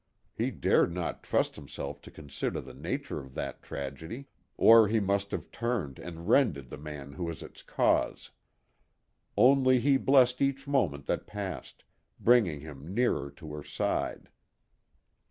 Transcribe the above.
He dared not trust himself to consider the nature of that tragedy, or he must have turned and rended the man who was its cause. Only he blessed each moment that passed, bringing him nearer to her side.